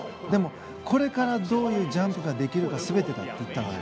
でも、これからどういうジャンプができるかが全てだと。